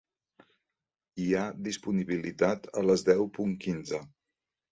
Hi ha disponibilitat a les deu punt quinze.